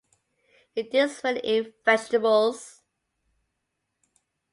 It deals mainly in vegetables.